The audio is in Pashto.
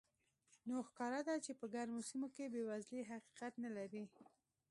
نو ښکاره ده چې په ګرمو سیمو کې بېوزلي حقیقت نه لري.